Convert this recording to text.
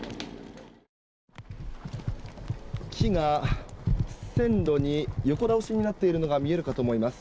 木が線路に横倒しになっているのが見えるかと思います。